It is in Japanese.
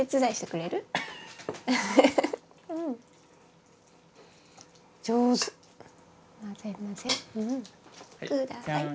ください。